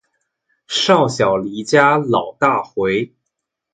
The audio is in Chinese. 少小离家老大回